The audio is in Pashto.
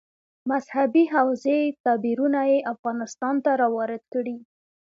مذهبي حوزې تعبیرونه یې افغانستان ته راوارد کړي.